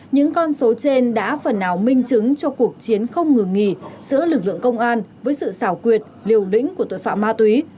những con số trên đã phần nào minh chứng cho cuộc chiến không ngừng nghỉ giữa lực lượng công an với sự xảo quyệt liều lĩnh của tội phạm ma túy